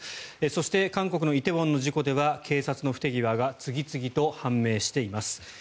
そして、韓国の梨泰院の事故では警察の不手際が次々と判明しています。